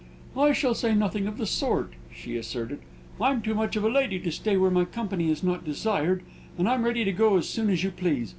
"I shall say nothing of the sort," she asserted. "I'm too much of a lady to stay where my company is not desired, and I'm ready to go as soon as you please.